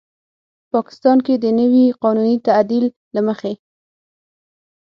پاکستان کې د نوي قانوني تعدیل له مخې